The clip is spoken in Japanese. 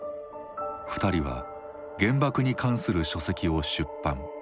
２人は原爆に関する書籍を出版。